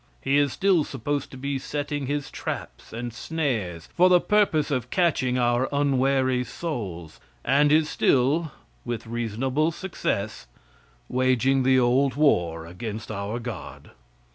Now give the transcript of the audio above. He is still supposed to be setting his traps and snares for the purpose of catching our unwary souls, and is still, with reasonable success, waging the old war against our god.